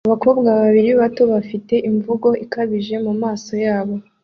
Abakobwa babiri bato bafite imvugo ikabije mumaso yabo